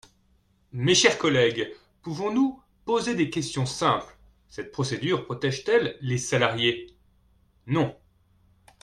Mes chers collègues, pouvons-nous poser des questions simples ? Cette procédure protège-t-elle les salariés ? Non.